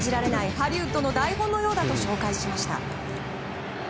ハリウッドの台本のようだと紹介しました。